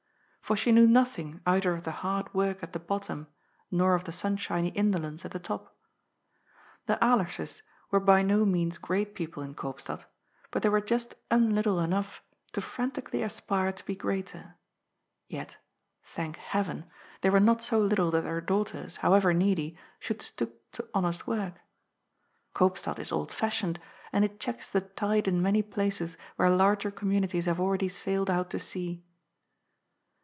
For she knew nothing either of the hard work at the bottom nor of the sunshiny indolence at the top. The Alerses were by no means great people in Koop stad, but they were just unlittle enough to frantically aspire to be greater. Yet— thank Heaven — they were not so little that their daughters, however needy, should stoop to honest work. Koopstad is old fashioned, and it checks the tide in many places where larger communities have already sailed out to sea.